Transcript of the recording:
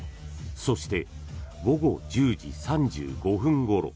そして午後１０時３５分ごろ。